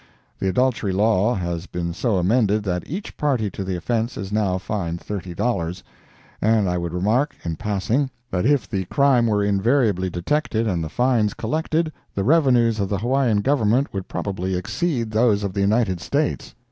The adultery law has been so amended that each party to the offense is now fined $30; and I would remark, in passing, that if the crime were invariably detected and the fines collected, the revenues of the Hawaiian Government would probably exceed those of the United States.